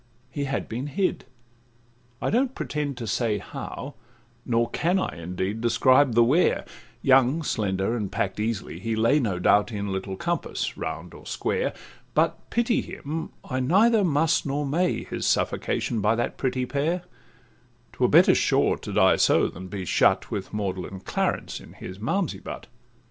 He had been hid—I don't pretend to say How, nor can I indeed describe the where— Young, slender, and pack'd easily, he lay, No doubt, in little compass, round or square; But pity him I neither must nor may His suffocation by that pretty pair; 'Twere better, sure, to die so, than be shut With maudlin Clarence in his Malmsey butt.